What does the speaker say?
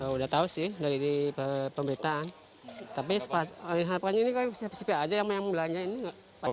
udah tahu sih dari pemberitaan tapi harapannya ini kan siapa siapa aja yang belanja ini